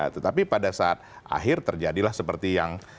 tetapi pada saat akhir terjadilah seperti yang